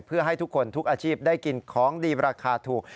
เพื่อให้ทุกคนทุกอาชีพได้กินของดีราคาถูก